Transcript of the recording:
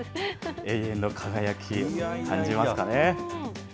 永遠の輝き、感じますかね。